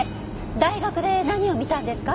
大学で何を見たんですか？